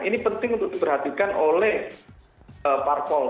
ini penting untuk diperhatikan oleh parpol